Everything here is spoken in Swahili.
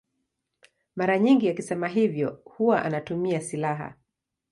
Mara nyingi akisema hivyo huwa anatumia silaha.